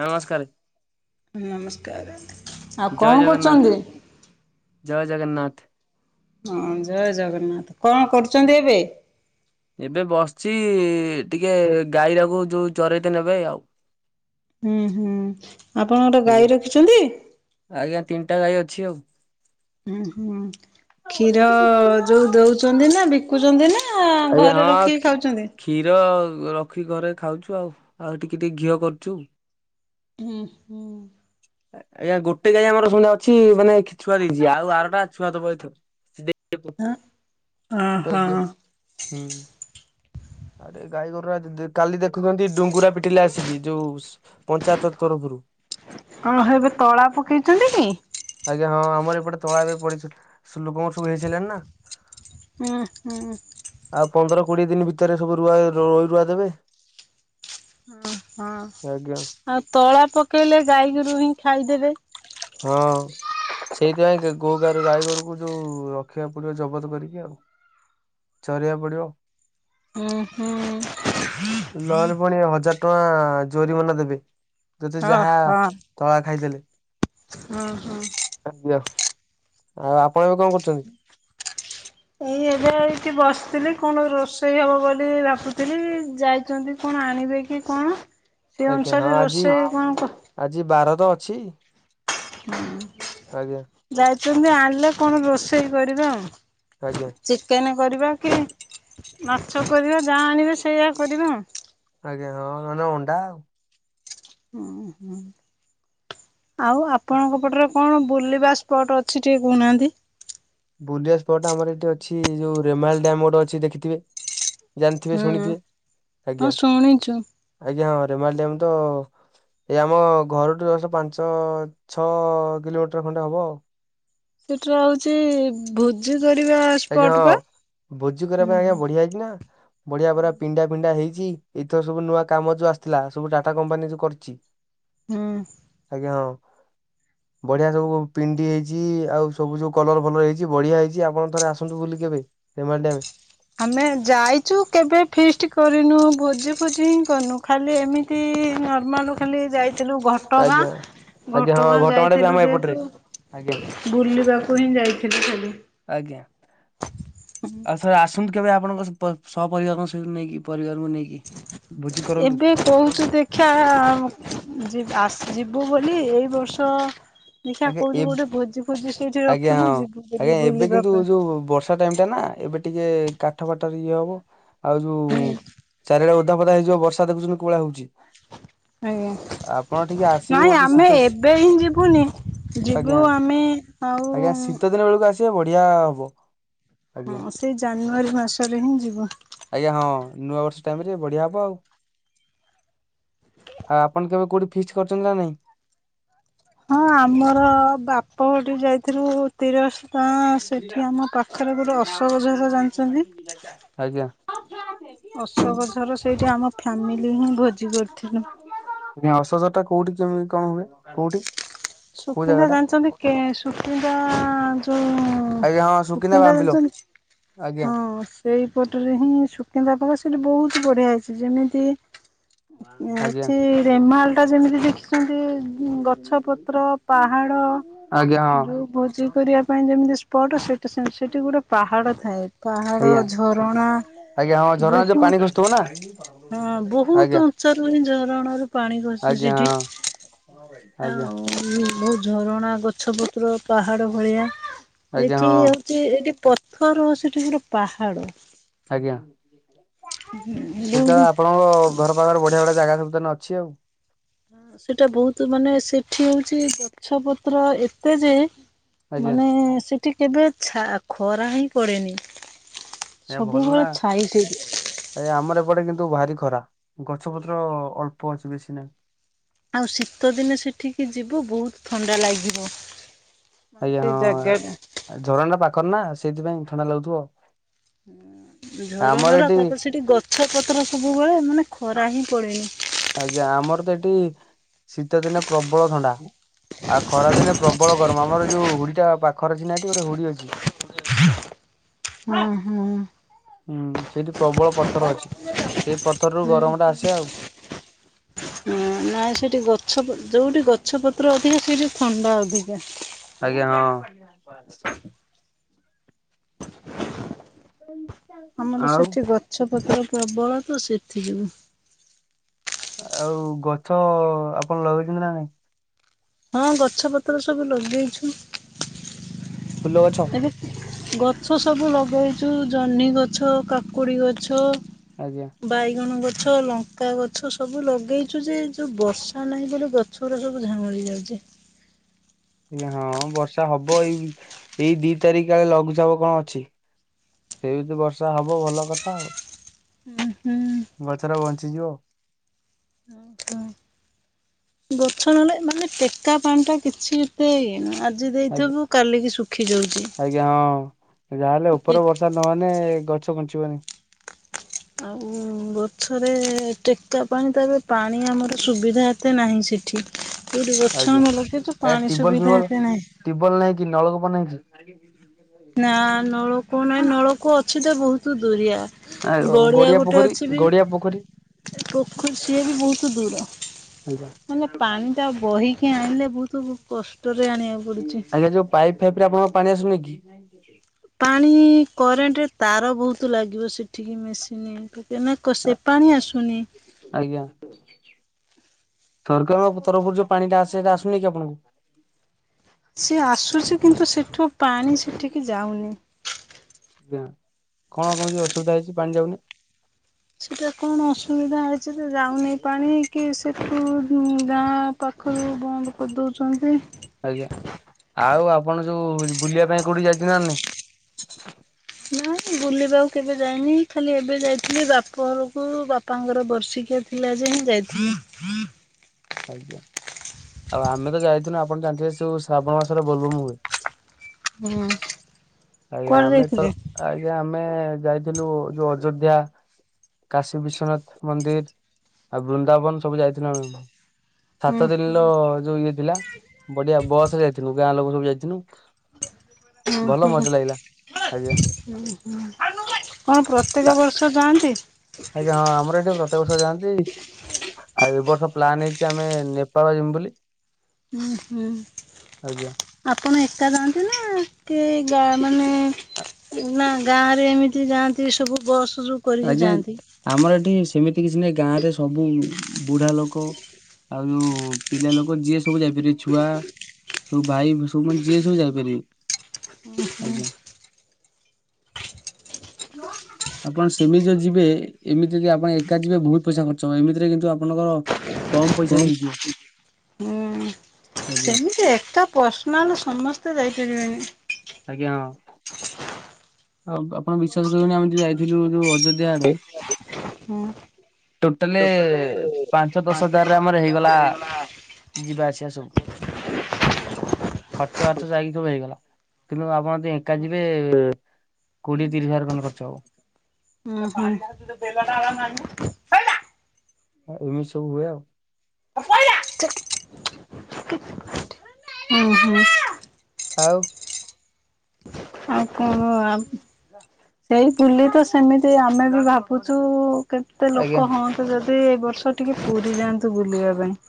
ନମସ୍କାର ନମସ୍କାର ଆଉ ଜୟ କଣ ଜଗନ୍ନାଥ କରୁଚନ୍ତି। ଜୟ ଜଗନ୍ନାଥ। ହଁ ଜୟ ଜଗନ୍ନାଥ କଣ କରୁଚନ୍ତି ଏବେ ଏବେ ବସିଛି ଟିକେ ଗାଈରାକୁ ଯୋଉ ଚରେଇ ତେ ନେବେ ଆଉ। ହୁଁ ହୁଁ ଆପଣ ଗୋଟେ ଆଜ୍ଞା ଗାଈ ରଖିଛନ୍ତି। ଆଜ୍ଞା ତିନିଟା ଗାଈ ଅଛି ଆଉ। ଉଁ ହୁଁ। କ୍ଷୀର ଯୋଉ ଦଉଚନ୍ତି ନା ବିକୁଚନ୍ତି ନା ଆଜ୍ଞା ଘରେ ହଁ। ରଖିକି ଖି- ଖାଉଛନ୍ତି। କ୍ଷୀର ରଖି ଘରେ ଖାଉଛୁ ଆଉ ଆଉ ଟିକେ ଟିକେ ଘିଅ କରୁଛୁ। ହୁଁ ହୁଁ। ଆଜ୍ଞା ଗୋଟେ ଗାଈ ଆମର ସମୁଦାଏ ଅଛି ମାନେ ଛୁଆ ଦେଇଚି ଆଉ ଆରଟା ଛୁଆ ଦେବ ଏଥର। ଗୁଆ ଓହୋ ଘିଅ ହୁଁ। ଆରେ ଗାଈଗୋରୁ ରା ଦେ କାଲି ଦେଖୁଛନ୍ତି ଡୁଙ୍ଗୁରା ପିଟିଲେ ଆସିକି ଯୋଉ ପଞ୍ଚାୟତ ତରପୁରୁ। ହଁ ହେବେ ତଳା ପକେଇଚନ୍ତି କି? ଆଜ୍ଞା ହଁ ଆମର ଏପଟେ ତଳା ଏବେ ପଡିଚି ଲୋକଙ୍କର ସବୁ ହେଇ ସାଇଲାଣି ନା। ହୁଁ ହୁଁ। ଆଉ ପନ୍ଦର କୋଡିଏ ଦିନି ଭିତରେ ସବୁ ରୁଆ ରହି ରୁଆ ଦେବେ। ଉଁ ହଁ ଆଜ୍ଞା ଆଉ ତଳା ପକେଇଲେ ଗାଈ ଗୋରୁ ହିଁ ଖାଇଦେବେ। ହଁ। ସେଇଥିପାଇଁ ଗା ଗୋ ଗାର ଗାଈଗୋରୁକୁ ଯୋଉ ରଖିବାକୁ ପଡିବ ଜବତ କରିକି ଆଉ। ଚରିବାକୁ ପଡିବ। ହଁ ହଁ। ଲହେଲେ ପୁଣି ହଜାର ଟଙ୍କା ଜୋରି ମନା ଦେବି। ତୁ ତ ଯାହା ଓହୋ। ତଳା ଖାଇଦେଲେ। ହଁ ହଁ। ଆଜ୍ଞା ଆଉ ଆପଣ ଏବେ କଣ କରୁଚନ୍ତି। ଏଇ ଏବେ ଏଇଠି ବସିଥିଲି କଣ ରୋଷେଇ ହବ ବୋଲି ଭାବୁଥିଲି ଯାଇ ଯନ୍ଦି କଣ ଆଣିବେ କି କଣ ସେ ଆଜ୍ଞା ହଁ ଅନୁସାରେ ଆଜି ରୋଷେଇ କଣ ଆଜି ବାର ତ ଅଛି। ଆଜ୍ଞା ଯାଇଛନ୍ତି ଆଣିଲେ କଣ ରୋଷେଇ କରିବା ଆଉ। ଆଜ୍ଞା। ଚିକେନ୍ କରିବା କି ମାଛ କରିବା ଯାହା ଆଣିବେ ସେଇଆ କରିବା। ଆଜ୍ଞା ହଁ ନହଲେ ଅଣ୍ଡା ଆଉ। ହୁଁ ହୁଁ ଆଉ ଆପଣଙ୍କ ପଟରେ କଣ ବୁଲିବା ସ୍ପଟ୍ ଅଛି ଟିକେ କହୁନାହାନ୍ତି। ବୁଲିଆ ସ୍ପଟ୍ ଆମର ଏଠି ଅଛି ଯୋଉ ରେମାଲ ଡ୍ୟାମ୍ ଗୋଟେ ଅଛି ଦେଖିଥିବେ। ଜାଣିଥିବେ ହୁଁ ଶୁଣିଥିବେ ହଁ ଆଜ୍ଞା ଶୁଣିଛୁ ଆଜ୍ଞା ହଁ ରେମାଲ ଡ୍ୟାମ ତ ଏଇ ଆମ ଘରଠୁ ଦଶ ପାଞ୍ଚ ଛଅ କିଲୋମିଟର ଖଣ୍ଡେ ହବ। ସେଟା ହଉଛି ଭୋଜି କରିବା ସ୍ପଟ ଆଜ୍ଞା ହଁ ପା ଭୋଜି ହୁଁ କରିବା ପାଇଁ ଆଜ୍ଞା ହୁଁ ବଢିଆ ହେଇଛି ନା। ବଢିଆ ପରା ପିଣ୍ଡା ପିଣ୍ଡା ହେଇଛି ଏଇଥର ସବୁ ନୂଆ କାମ ଯୋଉ ଆସିଥିଲା ସବୁ ଟାଟା କମ୍ପାନୀ ଯୋଉ କରିଚି। ହୁଁ ଆଜ୍ଞା ହଁ। ବଢିଆ ସବୁ ପିଣ୍ଡି ହେଇଚି ଆଉ ସବୁ ସବୁ କଲର ଫଲର ହେଇଛି ବଢିଆ ହେଇଚି ଆପଣ ଥରେ ଆସ ଆସୁନ୍ତୁ ବୋଲି କେବେ ରେମାଲ୍ ଡ୍ୟାମ। ଆମେ ଯାଇଛୁ କେବେ ଫିଷ୍ଟ କରିନୁ ଭୋଜି ଫୋଜି ହିଁ କରିନୁ ଖାଲି ଏମି ତି ନର୍ମାଲୁ ଖାଲି ଯାଇଥିଲୁ ଘଟ୍ ଆଜ୍ଞା ଘଟଗାଁ ଆଜ୍ଞା ହଁ ଘଟଗାଁ ବି ଆମ ଯାଇଥିଲୁ ଏପଟରେ ଯେହେତୁ ଆଜ୍ଞା ବୁଲିବାକୁ ହିଁ ଯାଇଥିଲୁ ଖାଲି। ଆଜ୍ଞା। ଆଉ ଥରେ ଆସନ୍ତୁ କେବେ ଆପଣଙ୍କ ସପରିବାରଙ୍କ ସହିତ ନେଇକି ପରିବାରଙ୍କୁ ନେଇକି। ଭୋଜି କରନ୍ତୁ। ଏବେ କହୁଛୁ ଦେଖ ଦେଖିଆ ଆସ ଯିବୁ ବୋଲି ଏଇ ବର୍ଷ ଦେଖିଆ ଆଜ୍ଞା କୋଉଠି ଏବ୍ ଗୋଟେ ଭୋଜି ଫୋଜି ସେଇଠି ରଖିବୁ ଯିବୁ ବୁଲି ବୁଲିବା ପାଇଁ। ଓ ବର୍ଷ ର୍ଷା ଟାଇମ ଟା ନା ଏବେ ଟିକେ କାଠଫାଟରେ ଇଏ ହବ। ଆଉ ଯୋଉଁ ହୁଁ ଚାରିଆଡେ ଓଦାଫୋଦା ହେଇଯିବ ବର୍ଷା ଦେଖୁଛନ୍ତି କୋଉଭଳିଆ ହୋଉଛି। ଆଜ୍ଞା ଆପଣ ଟିକେ ଆସିବେ ନାଇଁ ଯଦି ଆମେ ଶୀତ ଏବେ ହିଁ ଯିବୁନି, ଆଜ୍ଞା ଯିବୁ ଆମେ ଆଉ [unintelligible] ବେଳକୁ ଆସିବେ ବଢିଆ ହବ। ଆଜ୍ଞା ହଁ ସେଇ ଜାନୁଆରୀ ମାସରେ ହିଁ ଯିବୁ। ଆଜ୍ଞା ହଁ ନୂଆ ବର୍ଷ ଟାଇମ ରେ ବଢିଆ ହବ ଆଉ। ଆଉ ଆପଣ କେବେ କୋଉଠି ଫିଷ୍ଟ କରିଛନ୍ତି ନା ନାଇଁ? ହଁ ଆମର ବାପ ଘଠି ଯାଇଥିଲୁ ତିର ଅଶୋକ [unintelligible] ଆଜ୍ଞା। ଅଶୋକଝର ସେଇଠି ଆମ ଫ୍ୟାମିଲି ହିଁ ଭୋଜି କରିଥିଲୁ। ଆଜ୍ଞ ଅଶୋକଝର ଟା କୋଉଠି କେମିତି କଣ ହୁଏ କୋଉଠି? କୋଉ ଜାଗା ସୁକିନ୍ଦା ଟା ଜାଣିଛନ୍ତି କେ ସୁକିନ୍ଦା ଯୋଉ ହଁ ଆଜ୍ଞା ହଁ ସୁକିନ୍ଦା ବାମ୍ବିଲ ଜାଣିଛନ୍ତି? ଆଜ୍ଞା ହଁ ସେଇପଟରେ ହିଁ ସୁକିନ୍ଦା ପାଖ ସେଇଠି ବହୁତ ବଢିଆ ହେଇଛି ଯେମିତି ଆଜ୍ଞା ଏଠି ରେମାଲ ଟା ଯେମିତି ଦେଖିଛନ୍ତି ଗଛପତ ର ପାହାଡ ଆଜ୍ଞା ହଁ। ଯୋଉ ଭୋଜି କରିବା ପାଇଁ ଯେମିତି ସ୍ପଟ ସେଠି ସେମିତି ସେଠି ଗୋଟେ ପାହାଡ ଥାଏ। ପାହାଡ଼, ଆଜ୍ଞା ଝରଣା। ଆଜ୍ଞା ହଁ ଝରଣାରେ ଯୋଉ ବହୁତ ପାଣି ଖସୁଥିବ ନା? ହଁ ଆଜ୍ଞା ବହୁତ ଉଞ୍ଚାରୁ ହିଁ ଝରଣା ରୁ ପାଣି ଆଜ୍ଞା ଖସୁଛି ଏଠି। ହଁ ଆଜ୍ଞା ଆଉ ବହୁତ ଝରଣା ଗଛପତ୍ର ପାହାଡ ଭଳିଆ। ଆଜ୍ଞା ଏଠି ହଁ ହଉଛି ଏଠି ପଥର ସେଠି ପୂରା ପାହାଡ। ଆଜ୍ଞା ସେଟା ଆପଣଙ୍କ ଘର ପାଖରେ ବଢିଆ ବଢିଆ ଜାଗା ସବୁ ତା ହେଲେ ଅଛି ଆଉ। ସେଇଟା ବହୁତ ମାନେ ସେଠି ହଉଛି ଗଛ ପତ୍ର ଏତେ ଯେ ଆଜ୍ଞା ମାନେ ସେଠି କେବେ ଛା ଖରା ହିଁ ପଡେନି। ନାହିଁ ଭଲ ସବୁବେଳେ ନା। ଛାଇ ସେଇଠି ଆଜ୍ଞା ଆମର ଏପଟେ କିନ୍ତୁ ଭାରି ଖରା ଗଛ ପତ୍ର ଅଳ୍ପ ଅଛି ବେଶୀ ନାହିଁ। ଆଉ ଶୀତ ଦିନେ ସେଠିକି ଯିବୁ ବହୁତ ଥଣ୍ଡା ଲାଗିବ। ମାନେ ଆଜ୍ଞା ସେଇ ଜାଗାଟା। ହଁ ଝରଣା ପାଖରେ ନା ସେଇଥିପାଇଁ ଥଣ୍ଡା ଲାଗୁଥିବ ଆଉ। ଝରଣା ର ତାପରେ ସେଠି ଗଛ ପତ୍ର ସବୁବେଳେ ମାନେ ଖରା ହିଁ ପଡେନି। ଆଜ୍ଞା ଆମର ତ ଏଠି ଶୀତ ଦିନେ ପ୍ରବଳ ଥଣ୍ଡା ଆଉ ଖରା ଦିନେ ପ୍ରବଳ ଗରମ ଆମର ଯୋଉ ହୁଡି ଟା ପାଖରେ ଅଛି ନା ଗୋଟ ହୁଡି ଅଛି। ଉଁ ହୁଁ। ହୁଁ ସେଠି ପ୍ରବଳ ପଥର ଅଛି ସେଇ ପଥରରୁୁ ହୁଁ ଗରମ ଟା ଆସେ ଆଉ। ନାଇଁ ସେଠି ଗଛ ଯୋଉଠି ଗଛପତ୍ର ଅଧିକା ସେଇଠି ଥଣ୍ଡା ଅଧିକା। ଆଜ୍ଞା ହଁ। [unintelligible] ଆମର ଆଉ ସେଠି ଗଛପତ୍ର ପ୍ରବଳ ତ ସେଥି ଯୋଗୁ। ଆଉ ଗଛ ଆପଣ ଲଗେଇଛନ୍ତି ନା ନାଇଁ? ହଁ ଗଛ ପତ୍ର ସବୁ ଲଗେଇଛୁ। ଫୁଲ ଗଛ। ଏବେ ଗଛ ସବୁ ଲଗେଇଛୁ ଜହ୍ନି ଗଛ, କାକୁଡି ଗଛ। ଆଜ୍ଞା। ବାଇଗଣ ଗଛ, ଲଙ୍କା ଗଛ ସବୁ ଲଗେଇଛୁ ଯେ ଯୋଉ ବର୍ଷା ନାହିଁ ବୋଲି ଗଛ ଗଛଗୁରା ସବୁ ଝାଉଁଳି ଯାଉଛି। ଆଜ୍ଞା ହଁ ବର୍ଷା ହବ ଏଇ ଏଇ ଦି ତାରିଖ କାଳେ ଲଘୁଚାପ କଣ ଅଛି। ସେଇମିତି ବର୍ଷା ହବ ଭଲ କଥା ଆଉ। ହୁଁ ହୁଁ। ଗଛଟା ବଞ୍ଚିଯିବ ଆଉ। ଓ ହ। ଗଛ ନେଲେ ମାନେ ଟେକା ପାଣି ଟା କିଛି ଏତେ ଇଏ ନହେଁ ଆଜି ଆଜ୍ଞା ଦେଇଥିବୁ। କାଲିକି ଶୁଖି ଯାଉଛି। ଆଜ୍ଞା ହଁ ଯାହାହେଲେ ଟେ ଉପର ବର୍ଷା ନହେଲେ ଏ ଗଛ ବଞ୍ଚିବନି। ଆଉ ଗଛରେ ଟେକା ପାଣି ତାପରେ ବି ପାଣି ଆମର ସୁବିଧା ଏତେ ନାହିଁ ସେଠି। ଯଉଠି ଗଛ ଆଜ୍ଞା। ଆମର ଲଗେଇଛୁ। ଏ ପାଣି ଟିବଲ ସୁବିଧା ଫିବଲ ଏତେ ନାହିଁ। ଟିବଲ ନାହିଁ କି ନଳକୂପ ନାହିଁ କି ସେଠି ଆ [inaudible] ନା ନଲୋ କଣ ନାହିଁ ନଳକୂଅ ଅଛି ଯେ ବହୁତ ଦୁରିଆ ଆଉ ଗଡିଆ ଗୋଟେ ପୋଖରୀ ଅଛି ବି ଗଡିଆ ପୋଖରୀ ପୋଖରୀ ସିଏ ବି ବହୁତ ଦୂର ଆଜ୍ଞା ମାନେ ପାଣି ଟା ବହିକି କିଏ ଆଣିଲେ ବହୁତ କଷ୍ଟରେ ଆଣିବାକୁ ପଡୁଛି। ଆଜ୍ଞା ଯୋଉ ପାଇପ୍ ଫାଇପ୍ ରେ ଆପଣଙ୍କର ପାଣି ଆସୁନି କି? ୁ [inaudible] ପାଣି କରେଣ୍ଟ ତାର ବହୁତ ଲାଗିବ ସେଠିକି ମେସିନ୍ ଦେଲେ କ ସେ ପାଣି ଆସୁନି। ଆଜ୍ଞା ସରକାର ତରଫରୁ ଯୋଉ ପାଣି ଟା ଆସେ। ସେଇଟା ଆସୁନି କି ଆପଣଙ୍କୁ? ସିଏ ଆସୁଛି। କିନ୍ତୁ ସେଠୁ ପାଣି ସେଠିକି ଯାଉନି। ଆଜ୍ଞା କଣ କି ଏମିତି ଅସୁବିଧା ହେଇଛି ପାଣି ଯାଉନି। ସେଟା କଣ ଅସୁବିଧା ହେଇଛି ତ ଯାଉନି ପାଣି କି ସେଠୁ [inaudible] ପାଖରୁ ବନ୍ଦ କରିଦଉଛନ୍ତି। ଆଜ୍ଞା, ଆଉ ଆପଣ ଯୋଉ ବୁଲିବା ପାଇଁ କୋଉଠି ଯାଇଛନ୍ତି ନା ନାହିଁ। ନା ମୁ ବୁଲିବାକୁ କେବେ ଯାଇନି ଖାଲି ଏବେ ଯାଇଥିଲି ବାପ ଘରକୁ। ବାପ ବାପାଙ୍କର ବର୍ଷିକିଆ ଥିଲା ଯେ ଯାଇଥିଲି। ଆଉ ଆମେ ତ ଯାଇୁଥିଲୁ ଆପଣ ଜାଣିିବେ ସବୁ ଶ୍ରାବଣ ମାସରେ ବଲବମ ହୁଏ। ହୁଁ। ଆଜ୍ଞା କୁଆଡେ ଆମେ ଯାଇଥିଲେ? ତର ଆଜ୍ଞା ଆମେ ଯାଇଥିଲୁ ଯୋଉ ଅଯୋଧ୍ୟା କାଶୀ ବିଶ୍ଵନାଥ ମନ୍ଦିର ଆଉ ବୃନ୍ଦାବନ ସବୁ ଯାଇଥିଲୁ ଆମେ। ହୁଁ ସାତ ହୁଁ ଦିନର ଯୋଉ ଇଏ ଥିଲା ବଢିଆ ବସ ରେ ଯାଇଥଥିଲୁ ଗାଁ ଲୋକ ସବୁ ଯାଇଥିଲୁ। ଭଲ ହୁଁ ହୁଁ ମଜା ଲାଗିଲା ଆଜ୍ଞା। କଣ ପ୍ରତ୍ୟେକ ବର୍ଷ ଯାଆନ୍ତି? ଆଜ୍ଞା ହଁ ଆମର ଏଠି ପ୍ରତ୍ୟକ ଵର୍ଷ ଯାନ୍ତି। ଆଉ ଏ ବର୍ଷ ପ୍ଲାନ୍ ହେଇଛି ଆମେ ନେପାଳ ଯମୁ ବୋଲି। ହଁ ହୁଁ ଆଜ୍ଞା ଆପଣ ଏକା ଯାଆନ୍ତି ନା? କି ଗା ମାନେ ନା ଗାଁ ରେ ଏମିତି ଯାଆନ୍ତି ସବୁ ବସ ଯୁ ଆଜ୍ଞା ଆମର ଏଠି ସେମିତି କିଛି ନାହି ଗାଁ ରେ ସବୁ ବୁଢା ଲୋକ ଆଉ ଯୋଉ ପିଲା ଲୋକ ଯିଏ ସବୁ ଯାଇପାରିବେ ଛୁଆ। ସବୁ ଭାଇ ସବୁ ମାନେ ଯିଏ ସବୁ ଯାଇପାରିବେ। ଆଜ୍ଞା [inaudible] ଆପଣ ସେମିତି ଯ ଯିବେ ଏମିତି ଯଦି ଆପଣ ଏକା ଯିବେ। ବହୁତ ପଇସା ଖର୍ଚ୍ଚ ହବ ଏମିତିରେ କିନ୍ତୁ ଆପଣଙ୍କର କମ ପଇସାରେ ହେଇଯିବ। ହୁଁ ଆଜ୍ଞା ସେମିତି ଏକା ପର୍ସନାଲ ସମସ୍ତେ ଯାଇପାରିବେନି। ଆଜ୍ଞା ହଁ ଆପଣ ବିଶ୍ୱାସ କରିବେନ ଆମେ ଯୋଉ ଯାଇଥିଲୁ ଯୋଉ ଅଯୋଧ୍ୟା ପାଇଁ। ହ ଟୋଟାଲି ପାଞ୍ଚ ଦଶ ହଜାରରେ ଆମର ହେଇଗଲା। ଯିବା ଆସିବା ସବୁ। ଖର୍ଚ୍ଚ ଫାର୍ଚ୍ଚ ଯାଇକି ସବୁ ହେଇଗଲା କିନ୍ତୁ ଆପଣ ଯ କାଲିଯିବେ କୋଡିଏ ତିରିିଶ୍ ହଜାର ଖଣ୍ଡେ ଖର୍ଚ ହେବ। ହ ବେଲ ନା ନହିଁ [unintelligible] ଏମିତି ସବୁ ହୁଏ ଆଉ ହୁ [unintelligible] ଆଉ ଆଉ କଣ ଆଉ ସେଇ ବୁଲି ତ ସେମିତି ଆମେ ବି ଭାବୁଛୁ କେତେ ଆଜ୍ଞା ଲୋକ ହୁଅନ୍ତୁ ଯଦି ଏ ବର୍ଷ ଟିକେ ପୁରୀ ଯାଆନ୍ତୁ ବୁଲିବା ପାଇଁ।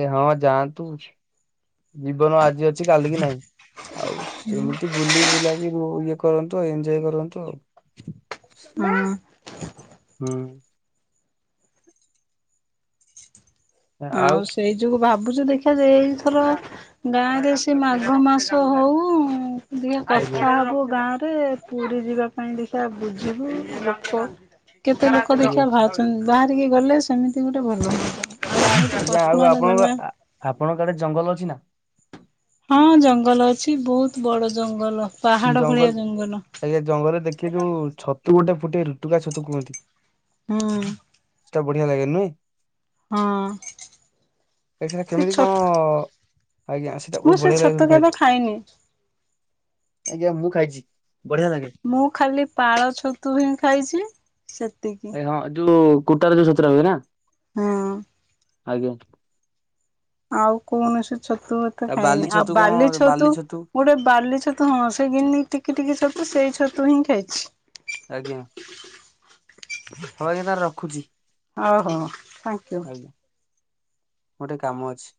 ଏ ହଁ ଯାଆନ୍ତୁ ଜୀବନ ଆଜି ଆଜି ଅଛି କାଲି କି ନାଇଁ ଆଉ ସେମତି ବୁଲି ବୁଲା ବି ଇଏ କରନ୍ତୁ ଏଞ୍ଜୟ କରନ୍ତୁ ଆଉ। ହଁ। ଉଁ। ଆଉ ସେଇ ଯଉ ଭାବୁଛୁ ଦେଖିବା ଯେ ଏଇଥର ଗାଁରେ ସେ ମାଘ ମାସ ହଉ ସେ ଆଜ୍ଞା କଥା ହବାକୁ ଗାଁ ତେ ପୁରୀ ଯିବା ପାଇଁ ଦେଖିଆ ବୁଝିବୁ ଲୋକ କେତେ ଲୋକ ଆଜ୍ଞା ଦେଖିଆ ବାହାରୁଚ ତମେ ବାହାରିଗି ଗଲେ ସେମିତି ଗୋଟେ ଭଲ ହୁଅନ୍ତା। ଏମିତି ଆଜ୍ଞା ଆଉ ପର୍ସନାଲ ଆପଣଙ୍କ ଗଲା ଆପଣଙ୍କ କ ଆଡେ ଜଙ୍ଗଲ ଅଛି ନା? ହଁ ଜଙ୍ଗଲ ଅଛି ବହୁତ ବଡ ଜଙ୍ଗଲ ପାହାଡ ଭଳିଆ ଜଙ୍ଗଲ ଆଜ୍ଞା ଜଙ୍ଗଲରେ ଦେଖିବେ ଯୋଉ ଛତୁ ଗୋଟେ ଫୁଟେ ରୁଟୁକା ଛତୁ କୁହନ୍ତି। ହୁଁ। ସେଟା ବଢିଆ ଲାଗେ ନୁଅେଁ। ହଁ। ଏ ସାର୍ ସେ କେମିତି କଣ ଛତୁ ଆଜ୍ଞା ତାକୁ ମୁଁ ସେ ବଢିଆ ଲାଗିବ ଛତୁ ମୁଁ ଖାଇ କେବେ ଖାଇନି ଆଜ୍ଞା ମୁଁ ଖାଇଛି ବଢିଆ ଲାଗେ ମୁଁ ଖାଲି ପାଳ ଛତୁ ହିଁ ଖାଇଛି ସେତିକି ଏ ହଁ ଯୋଉ କୁଟାରେ ଯୋଉ ଛତୁରା ହୁଏ ନା ହଁ। ଆଜ୍ଞା। ଆଉ କୌଣସି ଛତୁ ଏତେ ଖାଇନି ଆଉ ବାଲି ଛତୁ ଗୋଟେ ବାଲି ଛତୁ ହଁ ସେଇିଗିନି ଟିକି ଟିକିଛତୁ ସେଇ ଛତୁ ହିଁ ଖାଇଛି। ଆଜ୍ଞା। ହଁ ଏଇନା ରଖୁଛି ଓ ହୋ ଥ୍ୟାଙ୍କୟୁ। ଆଜ୍ଞା। ଗୋଟେ କାମ ଅଛି।